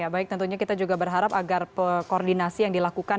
ya baik tentunya kita juga berharap agar koordinasi yang dilakukan